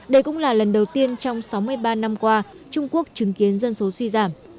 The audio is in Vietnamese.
đây cũng là lần đầu tiên trong sáu mươi ba năm qua trung quốc chứng kiến dân số suy giảm